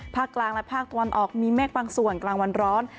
กลางและภาคตะวันออกมีเมฆบางส่วนกลางวันร้อน